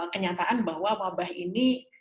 kenyataan bahwa wabah ini